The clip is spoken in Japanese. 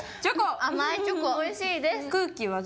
おいしいです。